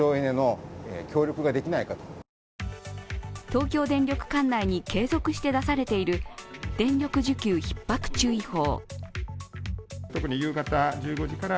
東京電力管内に継続して出されている電力需給ひっ迫注意報。